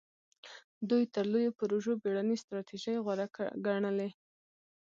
دوی تر لویو پروژو بېړنۍ ستراتیژۍ غوره ګڼلې.